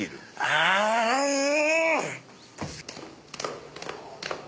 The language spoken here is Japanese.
ああもう！